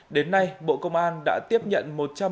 đến nay bộ công an đã tiếp nhận